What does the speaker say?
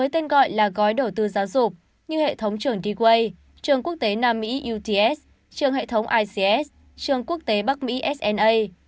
từ giáo dục như hệ thống trường dqa trường quốc tế nam mỹ uts trường hệ thống ics trường quốc tế bắc mỹ sna